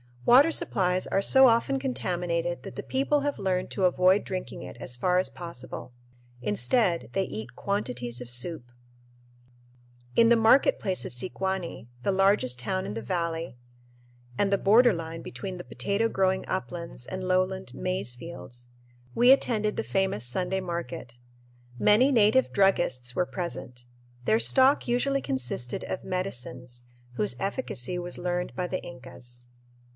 Water supplies are so often contaminated that the people have learned to avoid drinking it as far as possible. Instead, they eat quantities of soup. FIGURE The Ruins of the Temple of Viracocha at Racche In the market place of Sicuani, the largest town in the valley, and the border line between the potato growing uplands and lowland maize fields, we attended the famous Sunday market. Many native "druggists" were present. Their stock usually consisted of "medicines," whose efficacy was learned by the Incas.